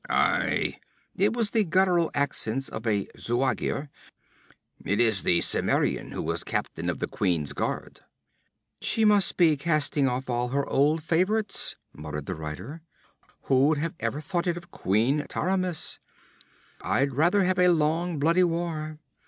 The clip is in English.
'Aye!' It was the guttural accents of a Zuagir. 'It is the Cimmerian who was captain of the queen's guard!' 'She must be casting off all her old favorites,' muttered the rider. 'Who'd have ever thought it of Queen Taramis? I'd rather have had a long, bloody war.